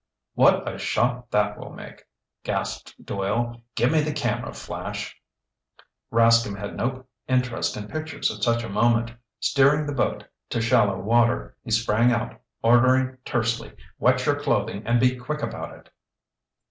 "What a shot that will make!" gasped Doyle. "Give me the camera, Flash!" Rascomb had no interest in pictures at such a moment. Steering the boat to shallow water, he sprang out, ordering tersely: "Wet your clothing and be quick about it!"